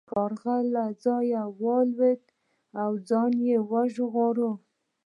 کارغه له ځایه والوت او ځان یې وژغوره.